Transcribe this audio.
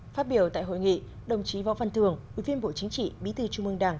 phát biểu tại hội nghị đồng chí võ văn thường ủy viên bộ chính trị bí thư trung mương đảng